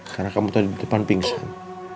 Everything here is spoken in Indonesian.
karena kamu tadi di depan pingsan